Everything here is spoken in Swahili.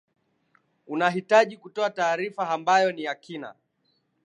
unahitaji kutoa taarifa ambayo ni ya kina